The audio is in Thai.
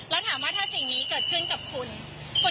แล้วถามว่าถ้าสิ่งนี้เกิดขึ้นกับคุณ